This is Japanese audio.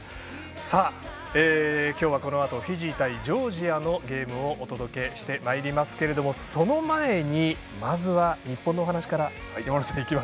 今日はこのあとフィジー対ジョージアの試合を放送していきますがその前に、まずは日本のお話から。